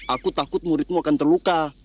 aku takut muridmu akan terluka